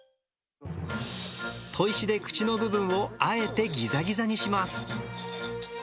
といしで口の部分をあえてギザギザにします。